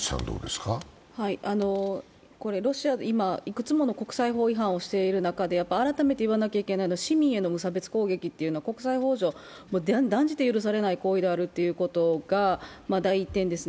ロシアが今、いくつもの国際法違反をしている中で改めて言わなきゃいけないのは、市民への無差別攻撃は国際法上、断じて許されない行為であるということが第１点です。